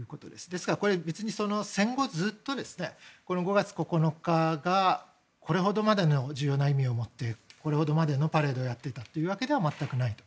ですからこれは戦後ずっと５月９日がこれほどまでの重要な意味を持ってこれほどまでのパレードをやっていたというわけでは全くないと。